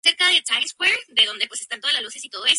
Fue dos veces All Star.